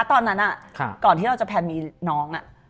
ตอนนั้นก่อนที่เราจะแพลนมีน้อง